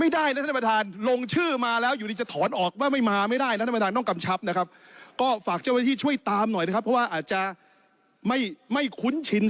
ดูอีกที